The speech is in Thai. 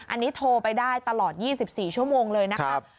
อันนี้โทรไปได้ตลอด๒๔ชั่วโมงเลยนะครับ